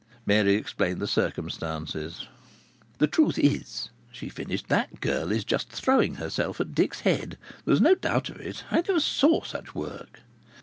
Mary explained the circumstances. "The truth is," she finished, "that girl is just throwing herself at Dick's head. There's no doubt of it. I never saw such work!"